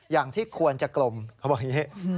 อย่างที่ควรจะกลมเขาบอกอย่างนี้